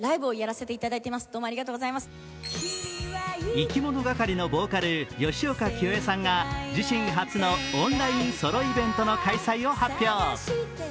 いきものがかりのボーカル、吉岡聖恵さんが自身初のオンラインソロイベントの開催を発表。